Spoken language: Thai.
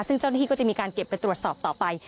ซึ่งเจ้าหน้าที่ก็จะมีการเก็บไปตรวจสอบต่อไป